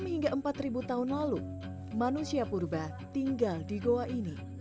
enam hingga empat tahun lalu manusia purba tinggal di goa ini